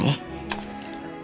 insya allah ya ma